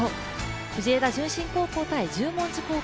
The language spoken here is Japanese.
藤枝順心高校と十文字高校。